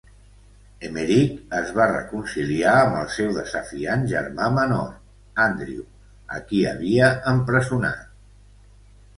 Emeric es va reconciliar amb el seu desafiant germà menor, Andrew, a qui havia empresonat.